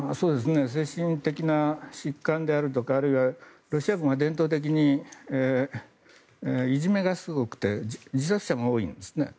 精神的な疾患であるとかあるいはロシア軍は伝統的にいじめがすごくて自殺者も多いんですね。